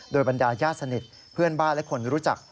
โดยบรรดาญาติสนิทเพื่อนบ้านและคนรู้จัก